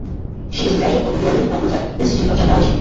She is a graduate of the Northern Alberta Institute of Technology.